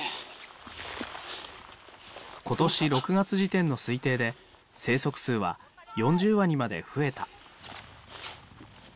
今年６月時点の推定で生息数は４０羽にまで増えた。